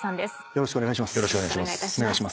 よろしくお願いします。